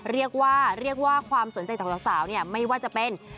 เรียกว่าเรียกว่าความสนใจจากสาวเนี่ยไม่ว่าจะเป็น